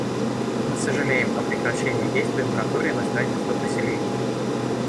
Мы сожалеем о прекращении действия моратория на строительство поселений.